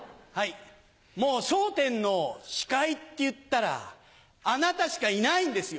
もう『笑点』の司会っていったらあなたしかいないんですよ。